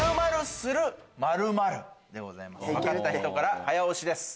分かった人から早押しです。